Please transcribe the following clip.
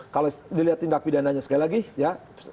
kalau dilihat tindak pidana nya sekali lagi ya